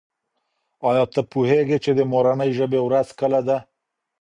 آیا ته پوهېږې چې د مورنۍ ژبې ورځ کله ده؟